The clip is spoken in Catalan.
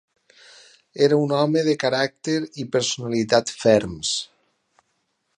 Era un home de caràcter i personalitat ferms.